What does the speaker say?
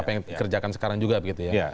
apa yang dikerjakan sekarang juga begitu ya